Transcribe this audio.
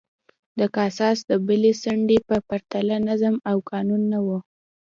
د کاساس د بلې څنډې په پرتله نظم او قانون نه و